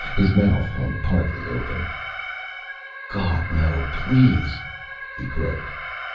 His mouth hung partly open. "Gawd no please!" he croaked.